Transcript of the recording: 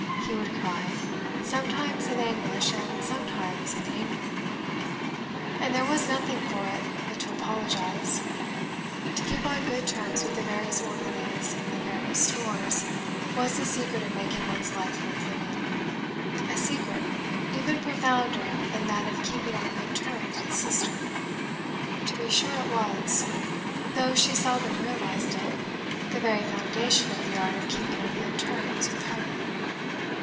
he would cry, sometimes in anguish and sometimes in anger. And there was nothing for it but to apologise. To keep on good terms with the various orderlies in the various stores was the secret of making one's life worth living a secret even profounder than that of keeping on good terms with Sister: to be sure it was (though she seldom realised it) the very foundation of the art of keeping on good terms with her.